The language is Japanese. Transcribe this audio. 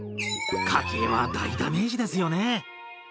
家計は大ダメージですよね。